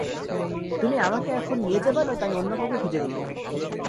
তুমি আমাকে এখন নিয়ে যাবা নয়তো আমি অন্য কাউকে খুজে নিব।